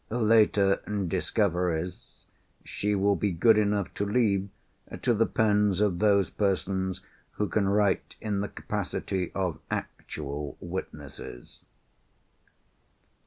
Later discoveries she will be good enough to leave to the pens of those persons who can write in the capacity of actual witnesses."